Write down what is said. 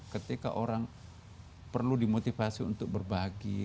ketika orang perlu dimotivasi untuk berbagi